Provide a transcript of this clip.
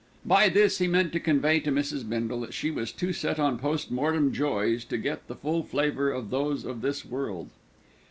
By this, he meant to convey to Mrs. Bindle that she was too set on post mortem joys to get the full flavour of those of this world.